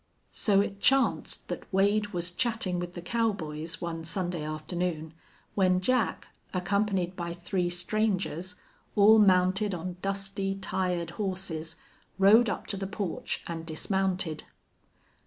So it chanced that Wade was chatting with the cowboys one Sunday afternoon when Jack, accompanied by three strangers, all mounted on dusty, tired horses, rode up to the porch and dismounted.